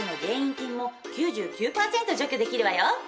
菌も９９パーセント除去できるわよ！